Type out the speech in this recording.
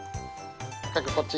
翔こっち